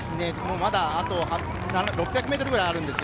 まだ、あと６００ｍくらいあるんですよ。